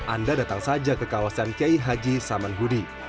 anda datang saja ke kawasan k i haji samanhudi